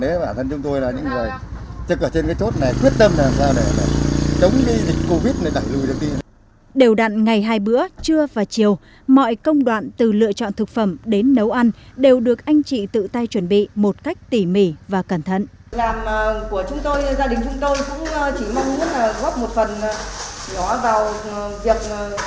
làm của chúng tôi gia đình chúng tôi cũng chỉ mong muốn góp một phần nhỏ vào việc phòng chống dịch của tỉnh cũng như là của nhà nước